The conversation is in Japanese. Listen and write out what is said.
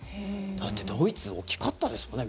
だって、ドイツ大きかったですもんね。